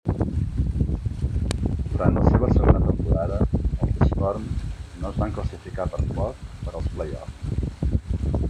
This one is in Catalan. Durant la seva segona temporada, els Storm no es van classificar per poc per als playoff.